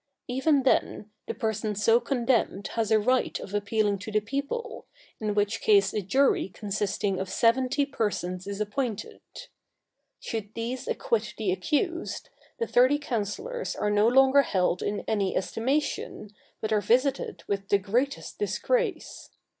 Even then, the person so condemned has a right of appealing to the people, in which case a jury consisting of seventy persons is appointed. Should these acquit the accused, the thirty counsellors are no longer held in any estimation, but are visited with the greatest disgrace.